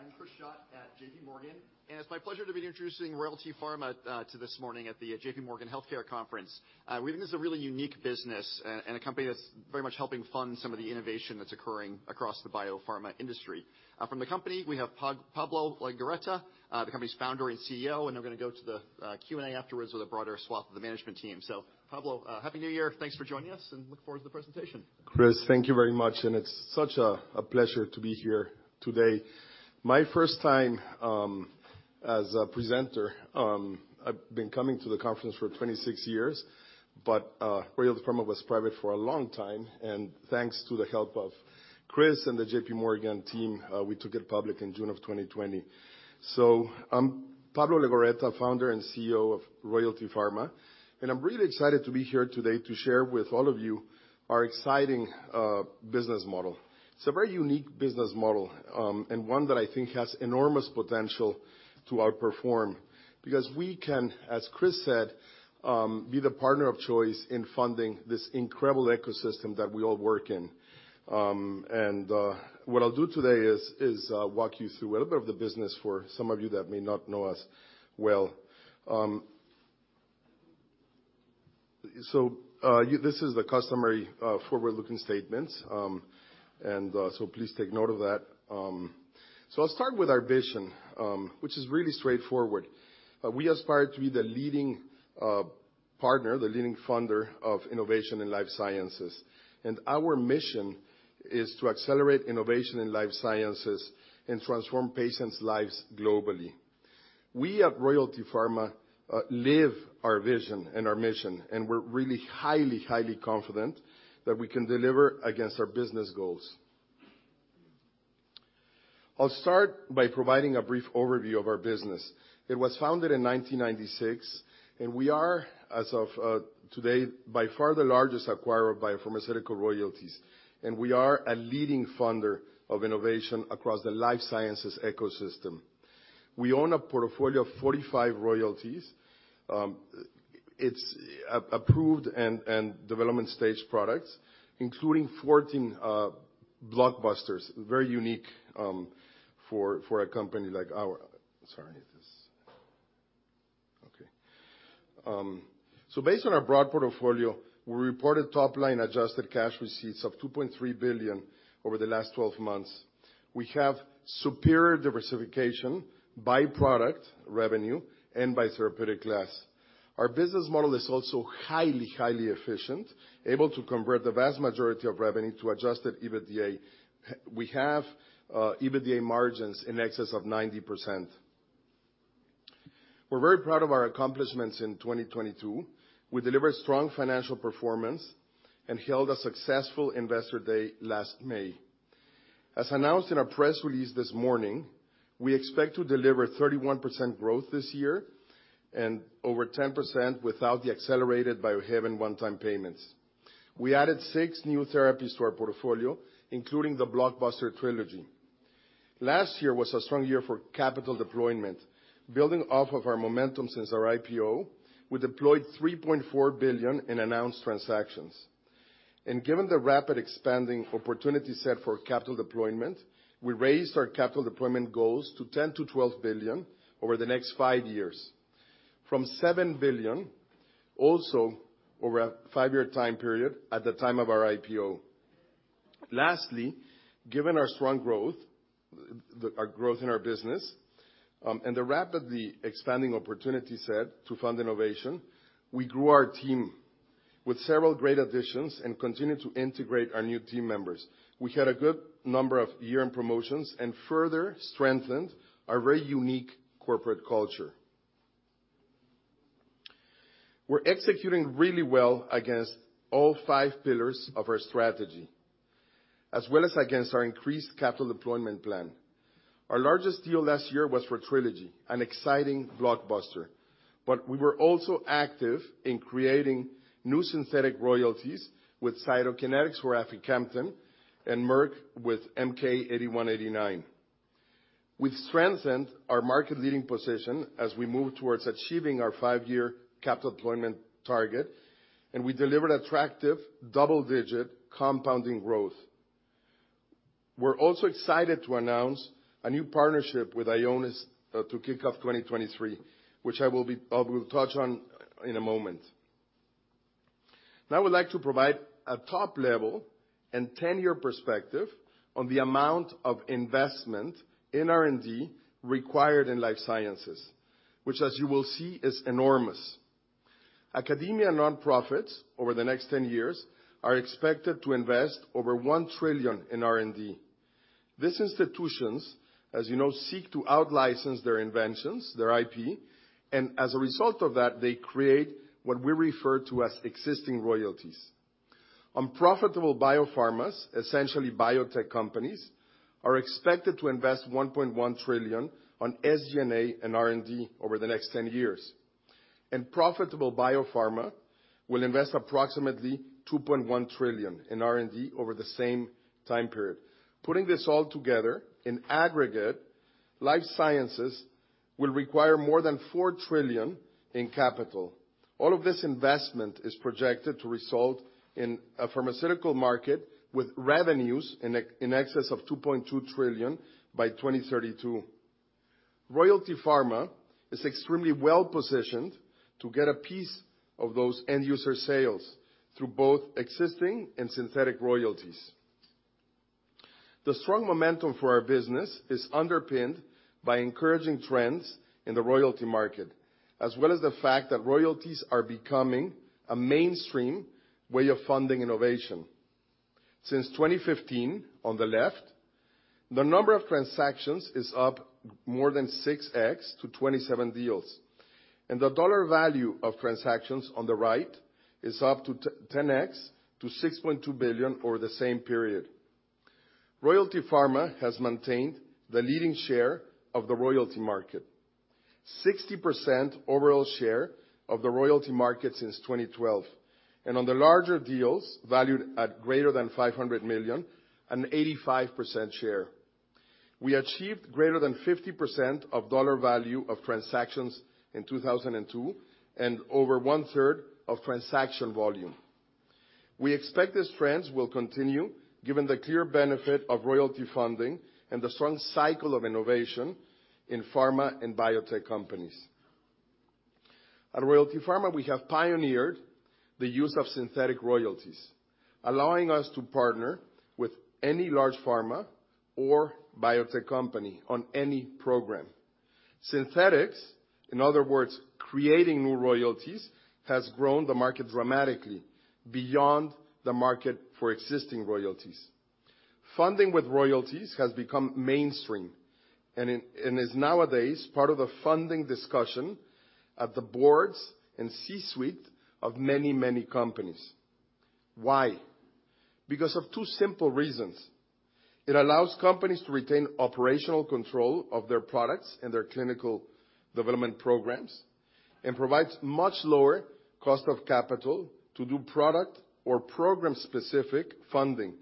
Good morning, everybody. I'm Chris Schott at J.P. Morgan. It's my pleasure to be introducing Royalty Pharma to this morning at the J.P. Morgan Healthcare Conference. We think this is a really unique business and a company that's very much helping fund some of the innovation that's occurring across the biopharma industry. From the company, we have Pablo Legorreta, the company's founder and CEO, and then we're gonna go to the Q&A afterwards with a broader swath of the management team. Pablo, happy New Year. Thanks for joining us, and look forward to the presentation. Chris, thank you very much. It's such a pleasure to be here today. My first time as a presenter, I've been coming to the conference for 26 years. Royalty Pharma was private for a long time. Thanks to the help of Chris and the J.P. Morgan team, we took it public in June of 2020. I'm Pablo Legorreta, Founder and CEO of Royalty Pharma. I'm really excited to be here today to share with all of you our exciting business model. It's a very unique business model, and one that I think has enormous potential to outperform because we can, as Chris said, be the partner of choice in funding this incredible ecosystem that we all work in. What I'll do today is, walk you through a little bit of the business for some of you that may not know us well. This is the customary, forward-looking statements, and, so please take note of that. I'll start with our vision, which is really straightforward. We aspire to be the leading, partner, the leading funder of innovation in life sciences, and our mission is to accelerate innovation in life sciences and transform patients' lives globally. We at Royalty Pharma, live our vision and our mission, and we're really highly confident that we can deliver against our business goals. I'll start by providing a brief overview of our business. It was founded in 1996, and we are, as of today, by far the largest acquirer of biopharmaceutical royalties, and we are a leading funder of innovation across the life sciences ecosystem. We own a portfolio of 45 royalties. It's approved and development stage products, including 14 blockbusters. Very unique for a company like our. Sorry, this. Okay. Based on our broad portfolio, we reported top-line Adjusted Cash Receipts of $2.3 billion over the last 12 months. We have superior diversification by product revenue and by therapeutic class. Our business model is also highly efficient, able to convert the vast majority of revenue to Adjusted EBITDA. We have EBITDA margins in excess of 90%. We're very proud of our accomplishments in 2022. We delivered strong financial performance and held a successful investor day last May. As announced in our press release this morning, we expect to deliver 31% growth this year and over 10% without the accelerated Biohaven one-time payments. We added six new therapies to our portfolio, including the blockbuster Trelegy. Last year was a strong year for capital deployment. Building off of our momentum since our IPO, we deployed $3.4 billion in announced transactions. Given the rapid expanding opportunity set for capital deployment, we raised our capital deployment goals to $10 billion-$12 billion over the next five years, from $7 billion also over a five-year time period at the time of our IPO. Lastly, given our strong growth, the... Our growth in our business, and the rapidly expanding opportunity set to fund innovation, we grew our team with several great additions and continued to integrate our new team members. We had a good number of year-end promotions and further strengthened our very unique corporate culture. We're executing really well against all five pillars of our strategy, as well as against our increased capital deployment plan. Our largest deal last year was for Trelegy, an exciting blockbuster, but we were also active in creating new synthetic royalties with Cytokinetics for aficamten and Merck with MK-8189. We've strengthened our market-leading position as we move towards achieving our five-year capital deployment target, and we delivered attractive double-digit compounding growth. We're also excited to announce a new partnership with Ionis to kick off 2023, which we'll touch on in a moment. Now I would like to provide a top-level and 10-year perspective on the amount of investment in R&D required in life sciences, which as you will see is enormous. Academia nonprofits over the next 10 years are expected to invest over $1 trillion in R&D. These institutions, as you know, seek to out-license their inventions, their IP, and as a result of that, they create what we refer to as existing royalties. Unprofitable biopharmas, essentially biotech companies, are expected to invest $1.1 trillion on SG&A and R&D over the next 10 years. Profitable biopharma will invest approximately $2.1 trillion in R&D over the same time period. Putting this all together, in aggregate. Life sciences will require more than $4 trillion in capital. All of this investment is projected to result in a pharmaceutical market with revenues in excess of $2.2 trillion by 2032. Royalty Pharma is extremely well-positioned to get a piece of those end user sales through both existing and synthetic royalties. The strong momentum for our business is underpinned by encouraging trends in the royalty market, as well as the fact that royalties are becoming a mainstream way of funding innovation. Since 2015, on the left, the number of transactions is up more than 6x to 27 deals. The dollar value of transactions on the right is up to 10x to $6.2 billion over the same period. Royalty Pharma has maintained the leading share of the royalty market. 60% overall share of the royalty market since 2012. On the larger deals, valued at greater than $500 million, an 85% share. We achieved greater than 50% of dollar value of transactions in 2002, and over 1/3 of transaction volume. We expect these trends will continue given the clear benefit of royalty funding and the strong cycle of innovation in pharma and biotech companies. At Royalty Pharma, we have pioneered the use of synthetic royalties, allowing us to partner with any large pharma or biotech company on any program. Synthetics, in other words, creating new royalties, has grown the market dramatically beyond the market for existing royalties. Funding with royalties has become mainstream and is nowadays part of the funding discussion at the boards and C-suite of many companies. Why? Because of two simple reasons. It allows companies to retain operational control of their products and their clinical development programs, provides much lower cost of capital to do product or program-specific funding,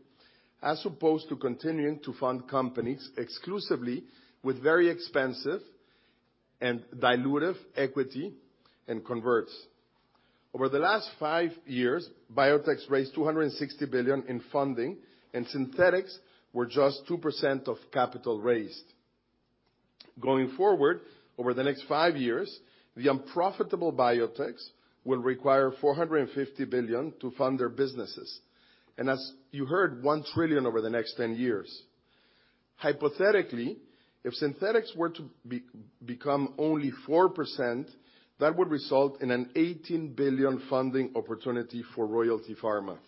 as opposed to continuing to fund companies exclusively with very expensive and dilutive equity and converts. Over the last five years, biotechs raised $260 billion in funding, synthetics were just 2% of capital raised. Going forward, over the next five years, the unprofitable biotechs will require $450 billion to fund their businesses, as you heard, $1 trillion over the next 10 years. Hypothetically, if synthetics were to become only 4%, that would result in an $18 billion funding opportunity for Royalty Pharma.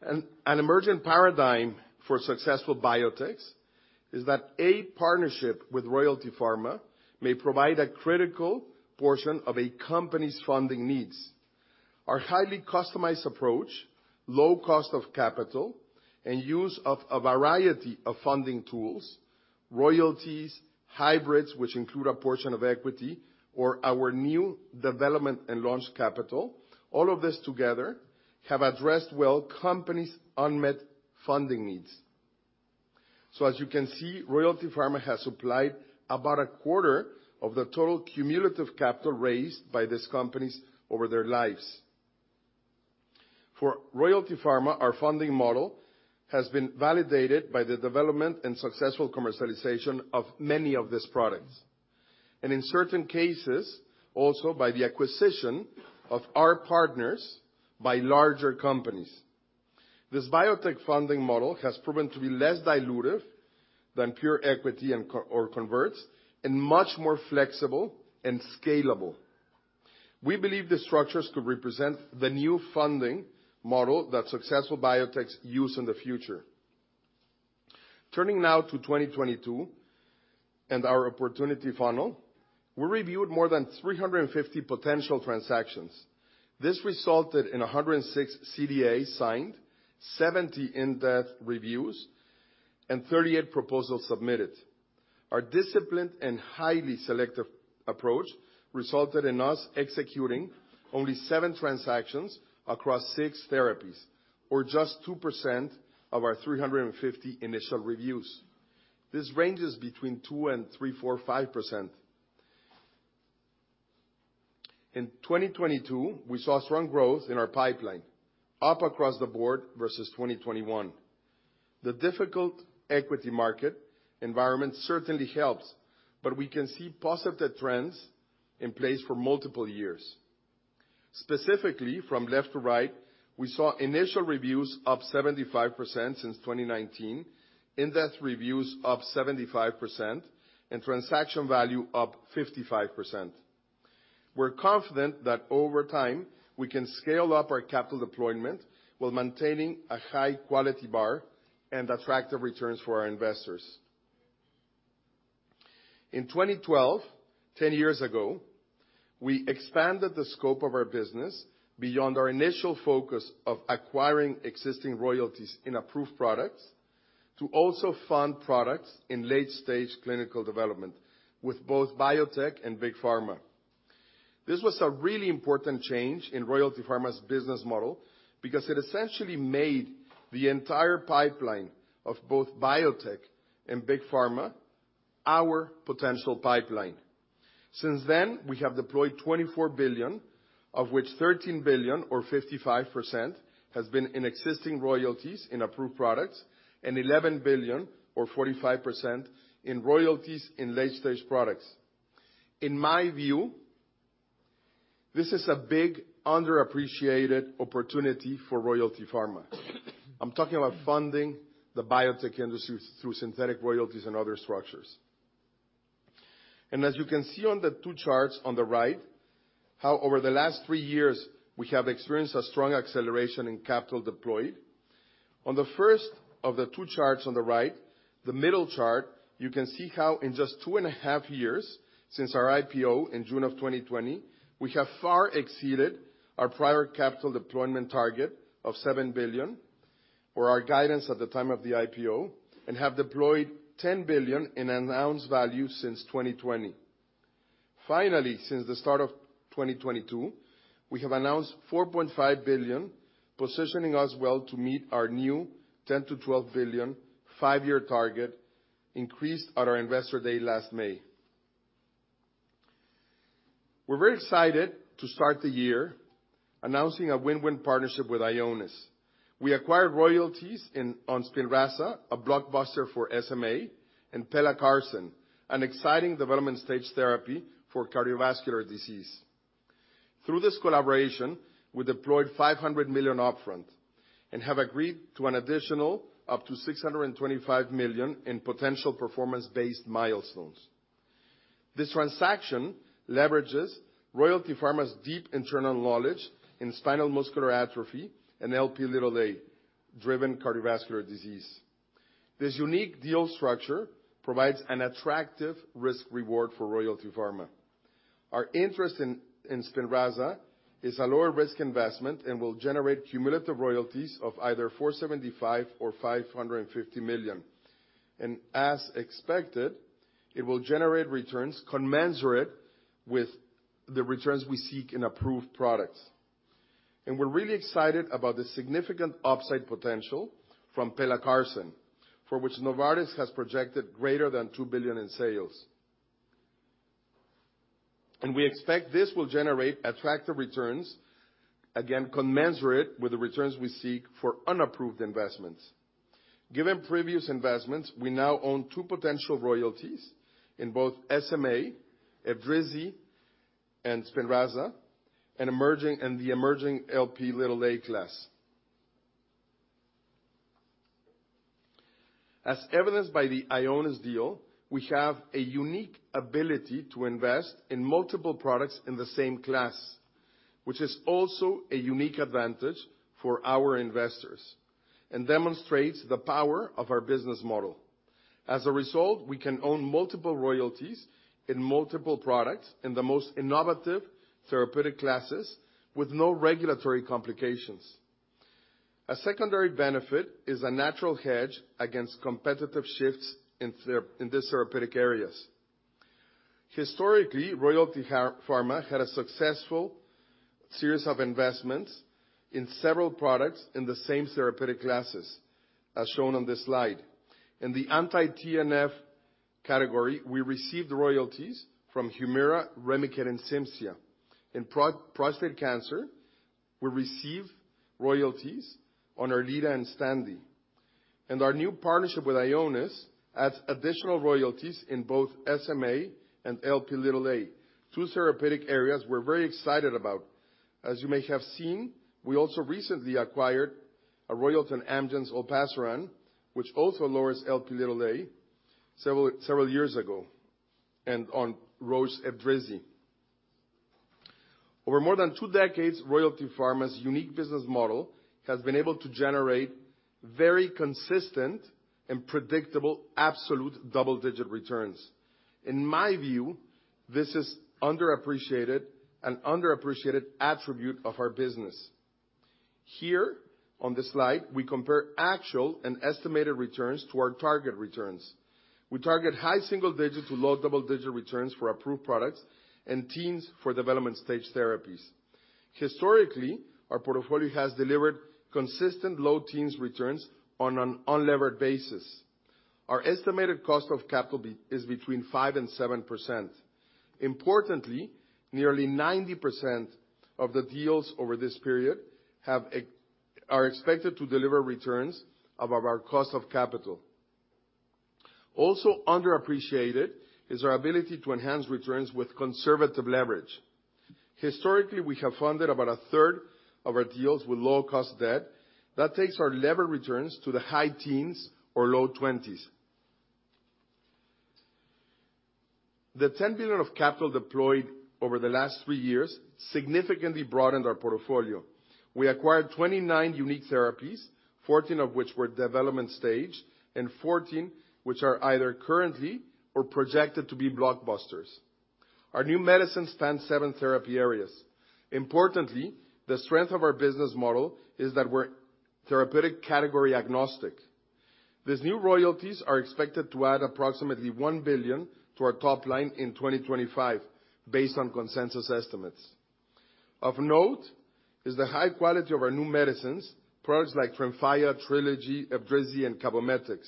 An emerging paradigm for successful biotechs is that a partnership with Royalty Pharma may provide a critical portion of a company's funding needs. Our highly customized approach, low cost of capital, and use of a variety of funding tools, royalties, hybrids, which include a portion of equity or our new development and launch capital, all of this together have addressed well companies' unmet funding needs. As you can see, Royalty Pharma has supplied about a quarter of the total cumulative capital raised by these companies over their lives. For Royalty Pharma, our funding model has been validated by the development and successful commercialization of many of these products, and in certain cases, also by the acquisition of our partners by larger companies. This biotech funding model has proven to be less dilutive than pure equity and co- or converts and much more flexible and scalable. We believe these structures could represent the new funding model that successful biotechs use in the future. Turning now to 2022 and our opportunity funnel, we reviewed more than 350 potential transactions. This resulted in 106 CDAs signed, 70 in-depth reviews, and 38 proposals submitted. Our disciplined and highly selective approach resulted in us executing only seven transactions across six therapies, or just 2% of our 350 initial reviews. This ranges between 2% and 3%, 4%, 5%. In 2022, we saw strong growth in our pipeline, up across the board versus 2021. The difficult equity market environment certainly helps, we can see positive trends in place for multiple years. Specifically, from left to right, we saw initial reviews up 75% since 2019, in-depth reviews up 75%, and transaction value up 55%. We're confident that over time, we can scale up our capital deployment while maintaining a high quality bar and attractive returns for our investors. In 2012, 10 years ago, we expanded the scope of our business beyond our initial focus of acquiring existing royalties in approved products to also fund products in late-stage clinical development with both biotech and big pharma. This was a really important change in Royalty Pharma's business model because it essentially made the entire pipeline of both biotech and big pharma our potential pipeline. Since then, we have deployed $24 billion, of which $13 billion or 55% has been in existing royalties in approved products, and $11 billion or 45% in royalties in late stage products. In my view, this is a big underappreciated opportunity for Royalty Pharma. I'm talking about funding the biotech industry through synthetic royalties and other structures. As you can see on the two charts on the right, how over the last three years we have experienced a strong acceleration in capital deployed. On the first of the two charts on the right, the middle chart, you can see how in just two and a half years since our IPO in June of 2020, we have far exceeded our prior capital deployment target of $7 billion for our guidance at the time of the IPO, and have deployed $10 billion in announced value since 2020. Since the start of 2022, we have announced $4.5 billion, positioning us well to meet our new $10 billion-$12 billion 5-year target increased at our investor day last May. We're very excited to start the year announcing a win-win partnership with Ionis. We acquired royalties on Spinraza, a blockbuster for SMA, and Pelacarsen, an exciting development stage therapy for cardiovascular disease. Through this collaboration, we deployed $500 million upfront and have agreed to an additional up to $625 million in potential performance-based milestones. This transaction leverages Royalty Pharma's deep internal knowledge in spinal muscular atrophy and Lp driven cardiovascular disease. This unique deal structure provides an attractive risk reward for Royalty Pharma. Our interest in Spinraza is a lower risk investment and will generate cumulative royalties of either $475 million or $550 million. As expected, it will generate returns commensurate with the returns we seek in approved products. We're really excited about the significant upside potential from Pelacarsen, for which Novartis has projected greater than $2 billion in sales. We expect this will generate attractive returns, again, commensurate with the returns we seek for unapproved investments. Given previous investments, we now own two potential royalties in both SMA, Evrysdi, and Spinraza, and the emerging Lp class. As evidenced by the Ionis deal, we have a unique ability to invest in multiple products in the same class, which is also a unique advantage for our investors and demonstrates the power of our business model. As a result, we can own multiple royalties in multiple products in the most innovative therapeutic classes with no regulatory complications. A secondary benefit is a natural hedge against competitive shifts in these therapeutic areas. Historically, Royalty Pharma had a successful series of investments in several products in the same therapeutic classes, as shown on this slide. In the anti-TNF category, we received royalties from Humira, Remicade, and Cimzia. In prostate cancer, we receive royalties on Erleada and Xtandi. Our new partnership with Ionis adds additional royalties in both SMA and Lp, two therapeutic areas we're very excited about. As you may have seen, we also recently acquired a royalty on Amgen's olpasiran, which also lowers Lp several years ago, and on Roche Evrysdi. Over more than two decades, Royalty Pharma's unique business model has been able to generate very consistent and predictable absolute double-digit returns. In my view, this is underappreciated, an underappreciated attribute of our business. Here on this slide, we compare actual and estimated returns to our target returns. We target high single digit to low double-digit returns for approved products and teens for development stage therapies. Historically, our portfolio has delivered consistent low teens returns on an unlevered basis. Our estimated cost of capital is between 5% and 7%. Nearly 90% of the deals over this period are expected to deliver returns above our cost of capital. Underappreciated is our ability to enhance returns with conservative leverage. Historically, we have funded about a third of our deals with low cost debt. That takes our levered returns to the high teens or low twenties. The $10 billion of capital deployed over the last three years significantly broadened our portfolio. We acquired 29 unique therapies, 14 of which were development stage, and 14 which are either currently or projected to be blockbusters. Our new medicines span seven therapy areas. The strength of our business model is that we're therapeutic category agnostic. These new royalties are expected to add approximately $1 billion to our top line in 2025 based on consensus estimates. Of note, is the high quality of our new medicines, products like TREMFYA, Trelegy, Evrysdi and Cabometyx.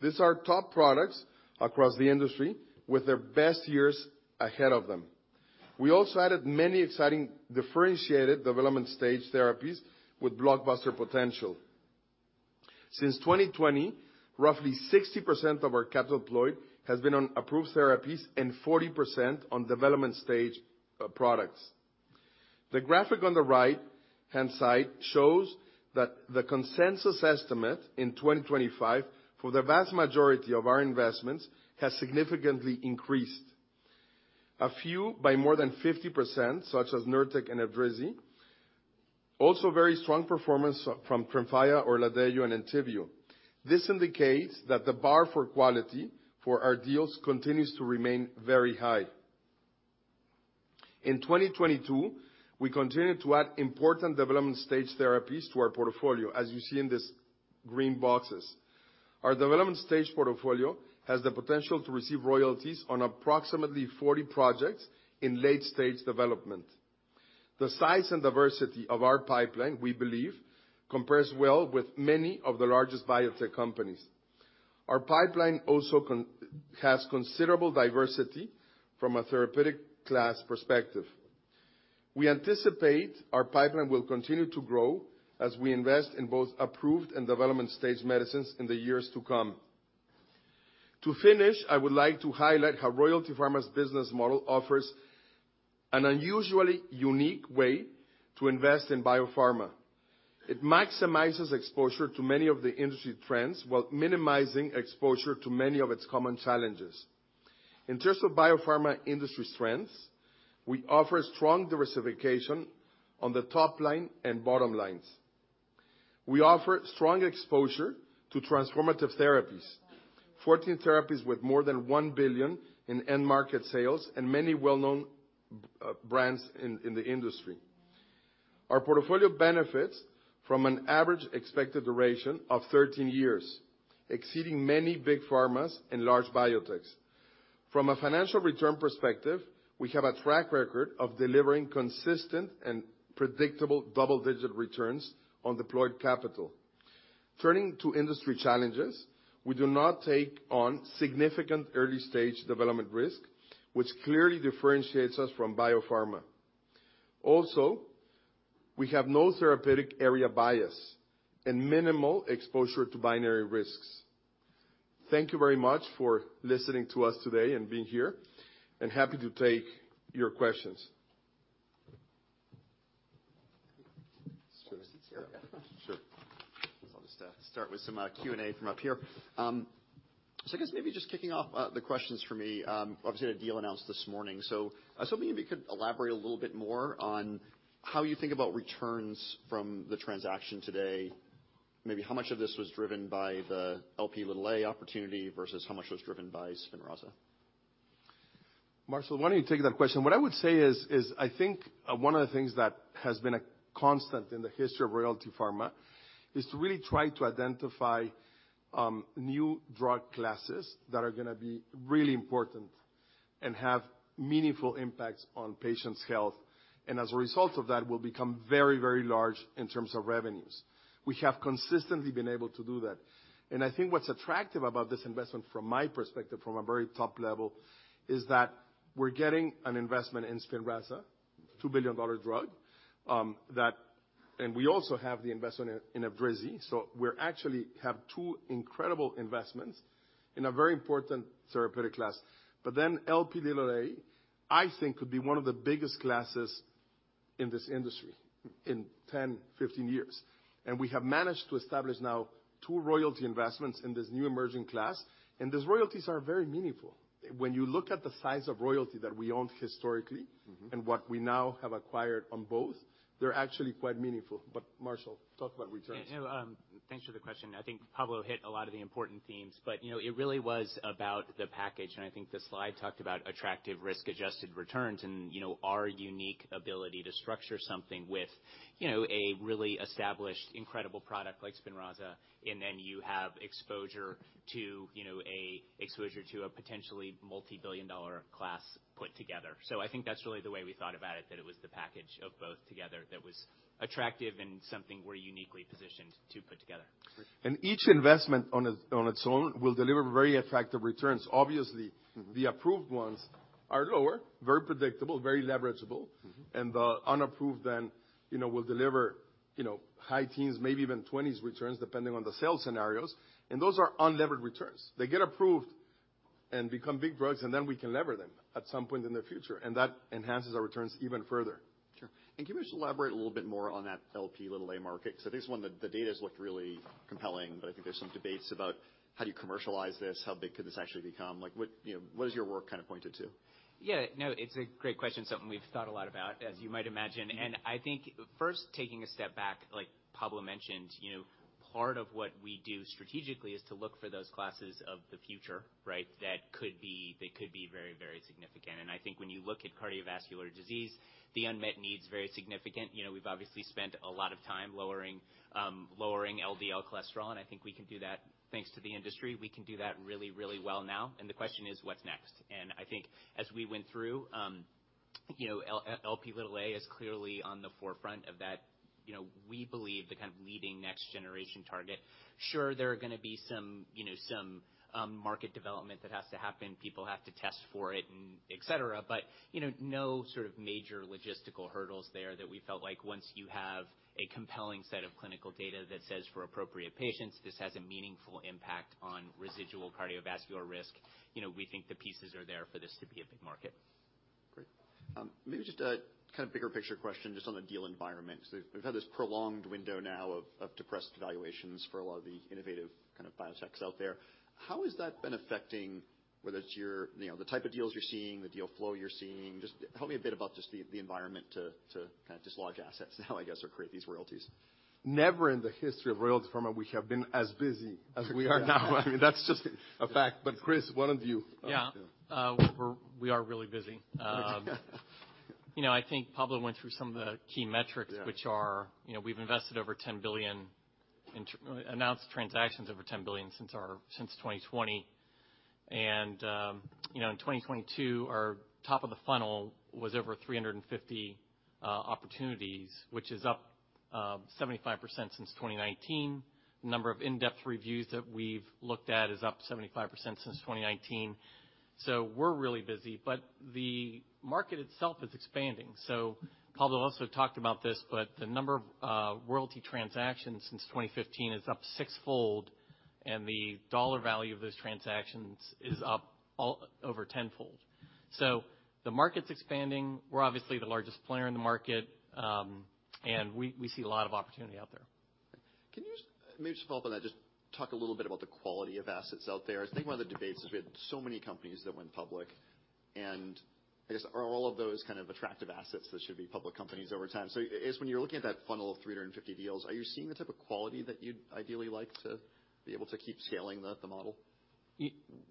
These are top products across the industry with their best years ahead of them. We also added many exciting differentiated development stage therapies with blockbuster potential. Since 2020, roughly 60% of our capital employed has been on approved therapies and 40% on development stage products. The graphic on the right-hand side shows that the consensus estimate in 2025 for the vast majority of our investments has significantly increased. A few by more than 50%, such as NURTEC and Evrysdi. Very strong performance from TREMFYA, ORLADEYO and ENTYVIO. This indicates that the bar for quality for our deals continues to remain very high. In 2022, we continued to add important development stage therapies to our portfolio, as you see in these green boxes. Our development stage portfolio has the potential to receive royalties on approximately 40 projects in late-stage development. The size and diversity of our pipeline, we believe, compares well with many of the largest biotech companies. Our pipeline also has considerable diversity from a therapeutic class perspective. We anticipate our pipeline will continue to grow as we invest in both approved and development stage medicines in the years to come. To finish, I would like to highlight how Royalty Pharma's business model offers an unusually unique way to invest in biopharma. It maximizes exposure to many of the industry trends while minimizing exposure to many of its common challenges. In terms of biopharma industry strengths, we offer strong diversification on the top line and bottom lines. We offer strong exposure to transformative therapies. 14 therapies with more than $1 billion in end market sales and many well-known brands in the industry. Our portfolio benefits from an average expected duration of 13 years, exceeding many big pharmas and large biotechs. From a financial return perspective, we have a track record of delivering consistent and predictable double-digit returns on deployed capital. Turning to industry challenges, we do not take on significant early-stage development risk, which clearly differentiates us from biopharma. Also, we have no therapeutic area bias and minimal exposure to binary risks. Thank you very much for listening to us today and being here, and happy to take your questions. Should I sit here? Yeah. Sure. I'll just start with some Q&A from up here. I guess maybe just kicking off the questions for me, obviously you had a deal announced this morning. Maybe you could elaborate a little bit more on how you think about returns from the transaction today. Maybe how much of this was driven by the Lp opportunity versus how much was driven by Spinraza? Marshall, why don't you take that question? What I would say is I think one of the things that has been a constant in the history of Royalty Pharma is to really try to identify new drug classes that are gonna be really important and have meaningful impacts on patients' health. As a result of that, will become very, very large in terms of revenues. We have consistently been able to do that. I think what's attractive about this investment from my perspective, from a very top level, is that we're getting an investment in Spinraza, a $2 billion drug. We also have the investment in Evrysdi. We actually have two incredible investments in a very important therapeutic class. Lp(a), I think, could be one of the biggest classes in this industry in 10, 15 years. We have managed to establish now two royalty investments in this new emerging class, and these royalties are very meaningful. When you look at the size of royalty that we owned historically. What we now have acquired on both, they're actually quite meaningful. Marshall, talk about returns. Yeah. No, thanks for the question. I think Pablo hit a lot of the important themes. You know, it really was about the package. I think the slide talked about attractive risk-adjusted returns and, you know, our unique ability to structure something with, you know, a really established, incredible product like Spinraza, and then you have exposure to, you know, exposure to a potentially multi-billion dollar class put together. I think that's really the way we thought about it, that it was the package of both together that was attractive and something we're uniquely positioned to put together. Each investment on its own will deliver very attractive returns. Obviously, the approved ones are lower, very predictable, very leverageable. The unapproved then, you know, will deliver, you know, high teens, maybe even 20s returns, depending on the sales scenarios, and those are unlevered returns. They get approved and become big drugs. Then we can lever them at some point in the future. That enhances our returns even further. Sure. Can you just elaborate a little bit more on that Lp(a) market? This is one that the data's looked really compelling, but I think there's some debates about how do you commercialize this? How big could this actually become? Like what, you know, what has your work kind of pointed to? Yeah. No, it's a great question, something we've thought a lot about, as you might imagine. I think first taking a step back, like Pablo mentioned, you know, part of what we do strategically is to look for those classes of the future, right? They could be very, very significant. I think when you look at cardiovascular disease, the unmet need's very significant. You know, we've obviously spent a lot of time lowering LDL cholesterol, and I think we can do that. Thanks to the industry, we can do that really, really well now. The question is, what's next? I think as we went through, You know, Lp(a) is clearly on the forefront of that. You know, we believe the kind of leading next generation target. Sure, there are gonna be some, you know, some market development that has to happen. People have to test for it and et cetera. You know, no sort of major logistical hurdles there that we felt like once you have a compelling set of clinical data that says, for appropriate patients, this has a meaningful impact on residual cardiovascular risk. You know, we think the pieces are there for this to be a big market. Great. Maybe just a kind of bigger picture question just on the deal environment? We've had this prolonged window now of depressed valuations for a lot of the innovative kind of biotechs out there. How has that been affecting the type of deals you're seeing, the deal flow you're seeing? Just tell me a bit about the environment to kind of dislodge assets now, I guess, or create these royalties? Never in the history of Royalty Pharma we have been as busy as we are now. I mean, that's just a fact. Chris, why don't you? Yeah. Yeah. We are really busy. You know, I think Pablo went through some of the key metrics. Yeah which are, you know, we've invested over $10 billion in announced transactions over $10 billion since 2020. you know, in 2022, our top of the funnel was over 350 opportunities, which is up 75% since 2019. Number of in-depth reviews that we've looked at is up 75% since 2019. We're really busy, but the market itself is expanding. Pablo also talked about this, but the number of royalty transactions since 2015 is up sixfold, and the dollar value of those transactions is up over tenfold. The market's expanding. We're obviously the largest player in the market. We see a lot of opportunity out there. Can you maybe just follow up on that, just talk a little bit about the quality of assets out there? I think one of the debates is we had so many companies that went public, and I guess are all of those kind of attractive assets that should be public companies over time. I guess when you're looking at that funnel of 350 deals, are you seeing the type of quality that you'd ideally like to be able to keep scaling the model?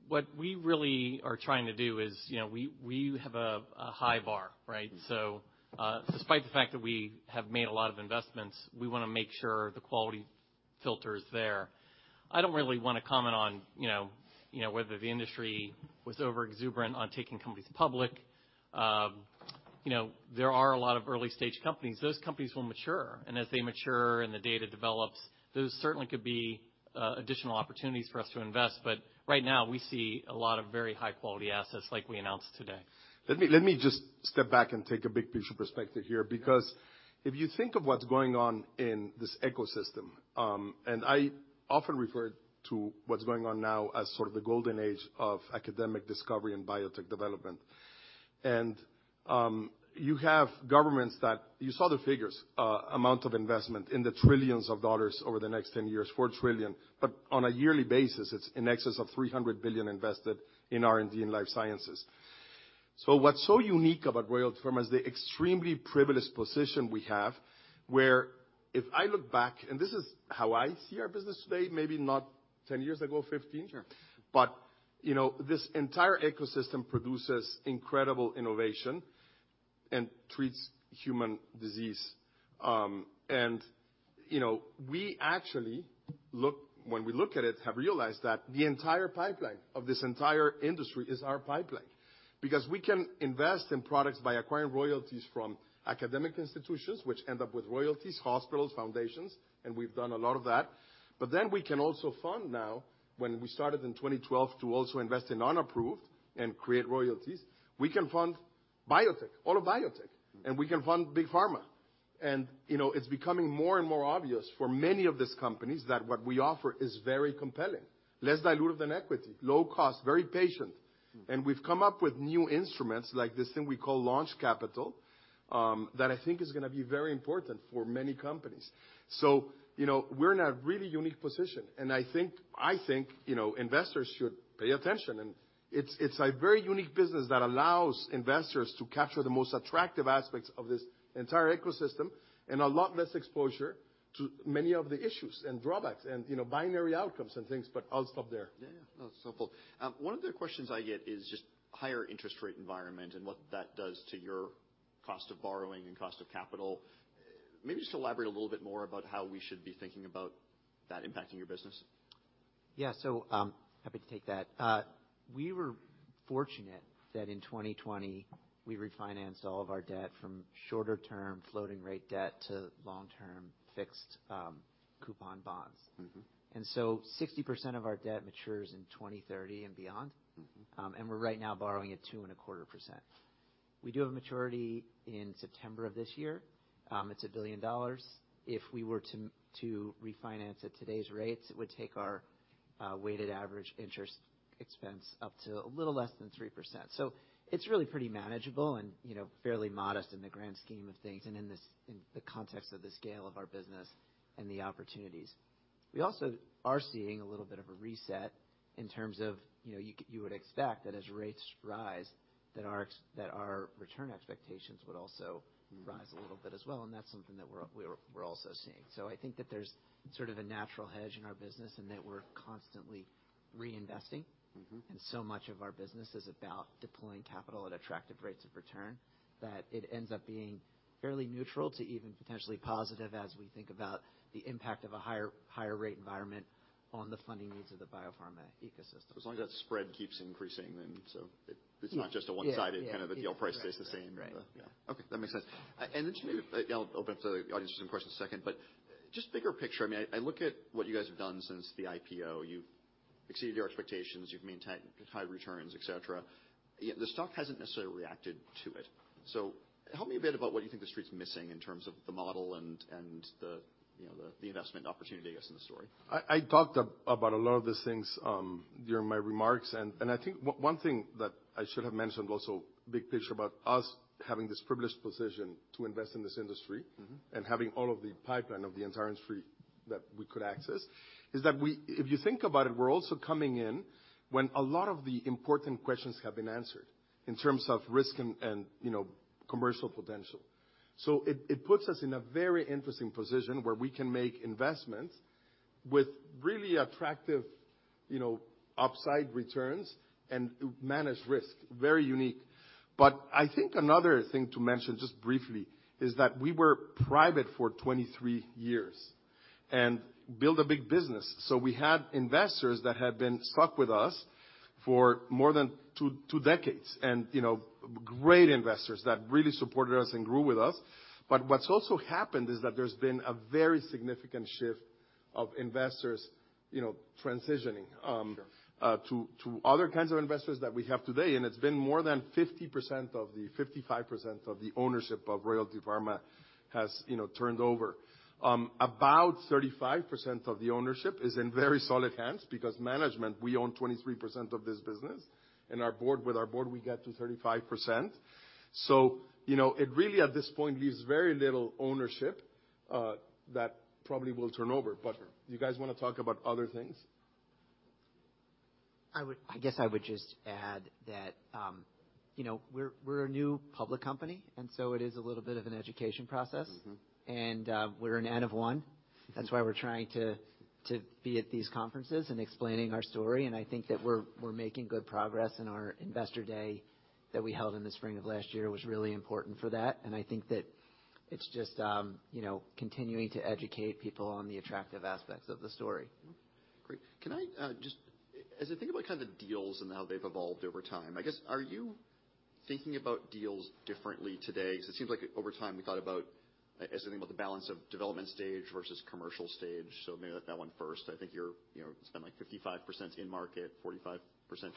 What we really are trying to do is, you know, we have a high bar, right? Despite the fact that we have made a lot of investments, we wanna make sure the quality filter is there. I don't really wanna comment on, you know, whether the industry was overexuberant on taking companies public. You know, there are a lot of early-stage companies. Those companies will mature, and as they mature and the data develops, those certainly could be additional opportunities for us to invest. Right now, we see a lot of very high-quality assets like we announced today. Let me just step back and take a big picture perspective here. Yeah. If you think of what's going on in this ecosystem, I often refer to what's going on now as sort of the golden age of academic discovery and biotech development. You have governments that... You saw the figures, amount of investment in the trillions of dollars over the next 10 years, $4 trillion. On a yearly basis, it's in excess of $300 billion invested in R&D and life sciences. What's so unique about Royalty Pharma is the extremely privileged position we have, where if I look back, and this is how I see our business today, maybe not 10 years ago, 15. Sure. You know, this entire ecosystem produces incredible innovation and treats human disease. You know, we actually when we look at it, have realized that the entire pipeline of this entire industry is our pipeline. We can invest in products by acquiring royalties from academic institutions, which end up with royalties, hospitals, foundations, and we've done a lot of that. Then we can also fund now, when we started in 2012, to also invest in unapproved and create royalties. We can fund biotech, all of biotech, and we can fund big pharma. You know, it's becoming more and more obvious for many of these companies that what we offer is very compelling. Less dilutive than equity, low cost, very patient. We've come up with new instruments like this thing we call launch capital, that I think is gonna be very important for many companies. You know, we're in a really unique position, and I think, you know, investors should pay attention. It's, it's a very unique business that allows investors to capture the most attractive aspects of this entire ecosystem and a lot less exposure to many of the issues and drawbacks and, you know, binary outcomes and things. I'll stop there. No, that's helpful. One of the questions I get is just higher interest rate environment and what that does to your cost of borrowing and cost of capital. Maybe just elaborate a little bit more about how we should be thinking about that impacting your business. Yeah. happy to take that. We were fortunate that in 2020, we refinanced all of our debt from shorter-term floating rate debt to long-term fixed, coupon bonds. 60% of our debt matures in 2030 and beyond. We're right now borrowing at 2.25%. We do have a maturity in September of this year. It's $1 billion. If we were to refinance at today's rates, it would take our weighted average interest expense up to a little less than 3%. It's really pretty manageable and, you know, fairly modest in the grand scheme of things, and in the context of the scale of our business and the opportunities. We also are seeing a little bit of a reset in terms of, you know, you would expect that as rates rise, that our return expectations would also rise a little bit as well, and that's something that we're also seeing. I think that there's sort of a natural hedge in our business and that we're constantly reinvesting. So much of our business is about deploying capital at attractive rates of return, that it ends up being fairly neutral to even potentially positive as we think about the impact of a higher rate environment on the funding needs of the biopharma ecosystem. As long as that spread keeps increasing, and so it's not just a one-sided. Yeah. Yeah. Kind of a deal price stays the same. Right. Yeah. Okay, that makes sense. Then just maybe, you know, I'll open up to the audience for some questions in a second, but. Just bigger picture, I mean, I look at what you guys have done since the IPO. You've exceeded your expectations, you've maintained high returns, et cetera. The stock hasn't necessarily reacted to it. Help me a bit about what you think the street's missing in terms of the model and the, you know, the investment opportunity, I guess, in the story. I talked about a lot of these things, during my remarks, and I think one thing that I should have mentioned also, big picture about us having this privileged position to invest in this industry...... and having all of the pipeline of the entire industry that we could access, is that if you think about it, we're also coming in when a lot of the important questions have been answered in terms of risk and, you know, commercial potential. It puts us in a very interesting position where we can make investments with really attractive, you know, upside returns and manage risk. Very unique. I think another thing to mention just briefly is that we were private for 23 years and built a big business. We had investors that had been stuck with us for more than two decades and, you know, great investors that really supported us and grew with us. What's also happened is that there's been a very significant shift of investors, you know, transitioning. Sure... to other kinds of investors that we have today. It's been more than 50% of the 55% of the ownership of Royalty Pharma has, you know, turned over. About 35% of the ownership is in very solid hands because management, we own 23% of this business, and our board, with our board, we get to 35%. You know, it really, at this point, leaves very little ownership that probably will turn over. Do you guys wanna talk about other things? I guess I would just add that, you know, we're a new public company, and so it is a little bit of an education process. We're an N of one. That's why we're trying to be at these conferences and explaining our story, and I think that we're making good progress, and our investor day that we held in the spring of last year was really important for that. I think that it's just, you know, continuing to educate people on the attractive aspects of the story. Great. Can I, as I think about the kind of deals and how they've evolved over time, I guess, are you thinking about deals differently today? It seems like over time we thought about, as we think about the balance of development stage versus commercial stage, maybe that one first. I think you're, you know, spend, like, 55% in-market, 45%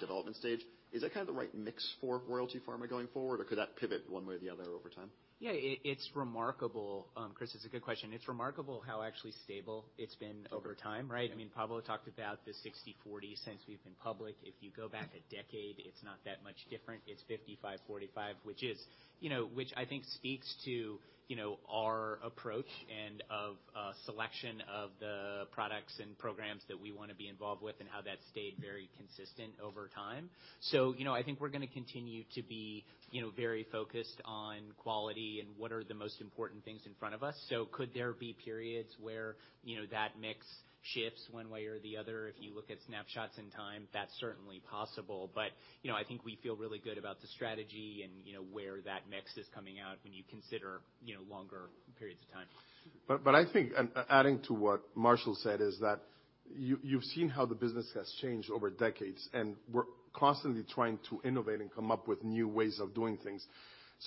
development stage. Is that kinda the right mix for Royalty Pharma going forward? Could that pivot one way or the other over time? Yeah. It's remarkable, Chris, it's a good question. It's remarkable how actually stable it's been over time, right? I mean, Pablo talked about the 60/40 since we've been public. If you go back a decade, it's not that much different. It's 55/45, which is, you know, which I think speaks to, you know, our approach and of selection of the products and programs that we wanna be involved with and how that's stayed very consistent over time. You know, I think we're gonna continue to be, you know, very focused on quality and what are the most important things in front of us. Could there be periods where, you know, that mix shifts one way or the other? If you look at snapshots in time, that's certainly possible. You know, I think we feel really good about the strategy and, you know, where that mix is coming out when you consider, you know, longer periods of time. I think, and adding to what Marshall said is that you've seen how the business has changed over decades, and we're constantly trying to innovate and come up with new ways of doing things.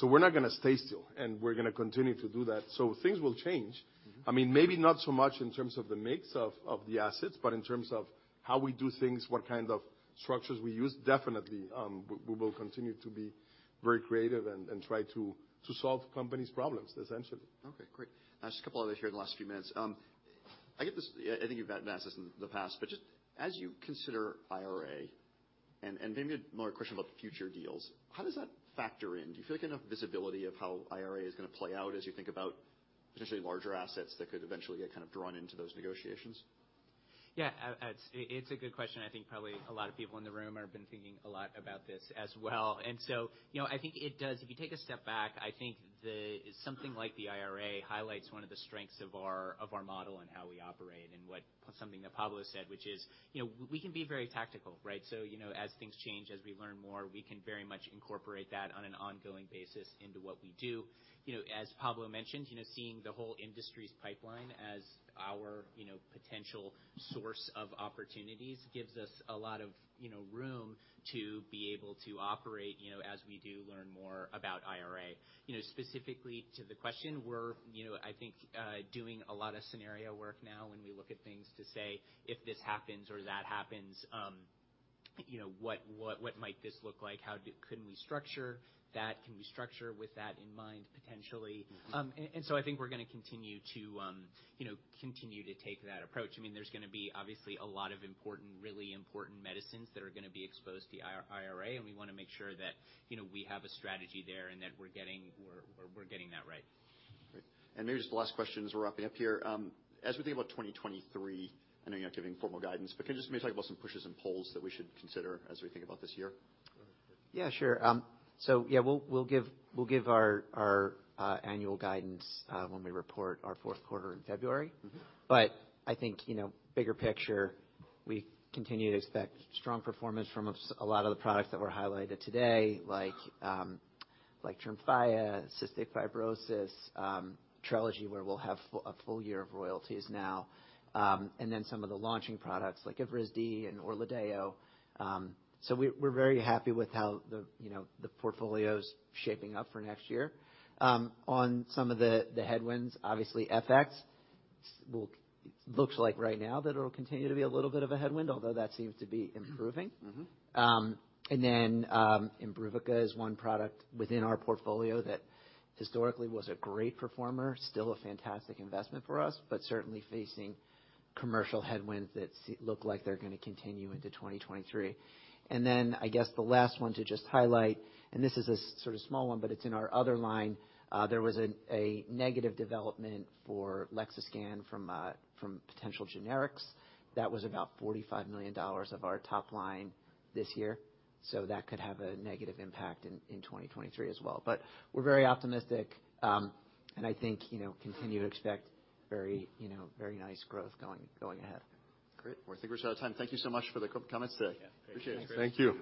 We're not gonna stay still, and we're gonna continue to do that. Things will change. I mean, maybe not so much in terms of the mix of the assets, but in terms of how we do things, what kind of structures we use, definitely, we will continue to be very creative and try to solve companies' problems, essentially. Okay. Great. Just a couple other here in the last few minutes. I think you've answered this in the past, but just as you consider IRA, and maybe a more question about future deals, how does that factor in? Do you feel like enough visibility of how IRA is gonna play out as you think about potentially larger assets that could eventually get kind of drawn into those negotiations? Yeah. It's a good question. I think probably a lot of people in the room have been thinking a lot about this as well. You know, I think it does... If you take a step back, I think something like the IRA highlights one of the strengths of our, of our model and how we operate and something that Pablo said, which is, you know, we can be very tactical, right? You know, as things change, as we learn more, we can very much incorporate that on an ongoing basis into what we do. You know, as Pablo mentioned, you know, seeing the whole industry's pipeline as our, you know, potential source of opportunities gives us a lot of, you know, room to be able to operate, you know, as we do learn more about IRA. You know, specifically to the question, we're, you know, I think, doing a lot of scenario work now when we look at things to say, if this happens or that happens, you know, what might this look like? Couldn't we structure that? Can we structure with that in mind potentially? I think we're gonna continue to, you know, continue to take that approach. I mean, there's gonna be obviously a lot of important, really important medicines that are gonna be exposed to IRA, and we wanna make sure that, you know, we have a strategy there and that we're getting that right. Great. Maybe just the last question as we're wrapping up here. As we think about 2023, I know you're not giving formal guidance, but can you just maybe talk about some pushes and pulls that we should consider as we think about this year? Yeah, sure. Yeah, we'll give our annual guidance when we report our fourth quarter in February. I think, you know, bigger picture, we continue to expect strong performance from a lot of the products that were highlighted today, like TREMFYA, cystic fibrosis, Trelegy, where we'll have a full year of royalties now, and then some of the launching products like Evrysdi and ORLADEYO. We're very happy with how the, you know, the portfolio's shaping up for next year. On some of the headwinds, obviously FX looks like right now that it'll continue to be a little bit of a headwind, although that seems to be improving. Imbruvica is one product within our portfolio that historically was a great performer, still a fantastic investment for us, but certainly facing commercial headwinds that look like they're gonna continue into 2023. I guess the last one to just highlight, and this is a sort of small one, but it's in our other line, there was a negative development for Lexiscan from potential generics. That was about $45 million of our top line this year. That could have a negative impact in 2023 as well. We're very optimistic, and I think, you know, continue to expect very nice growth going ahead. Great. I think we're out of time. Thank you so much for the co-comments today. Yeah. Appreciate it. Thank you.